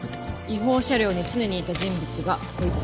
違法車両に常にいた人物がこいつ。